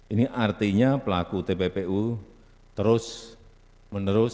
ini artinya pelaku tppu terus menerus